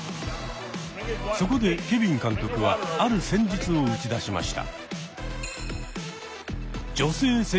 そこでケビン監督はある戦術を打ち出しました。